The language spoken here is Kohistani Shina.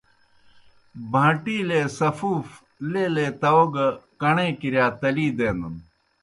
بَھان٘ٹِیلے سفوف لیلے تاؤ گہ کَݨَے کِرِیا تلی دینَن۔